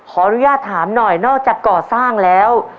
ขออนุญาตถามหน่อยนอกจากก่อสร้างแล้ว